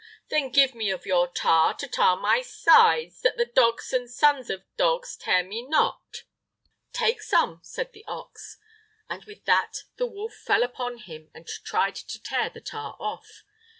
Then give me of your tar to tar my sides, that the dogs and the sons of dogs tear me not!" "Take some," said the ox. And with that the wolf fell upon him and tried to tear the tar off.